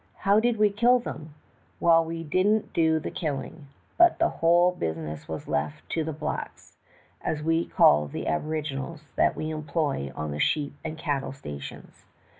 "How did we kill them? Well, we didn't do the killing, but the whole business was left to the blacks, as we call the aboriginals that we employ on the sheep and cattle stations.